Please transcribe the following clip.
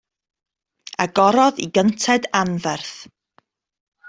Agorodd i gynted anferth.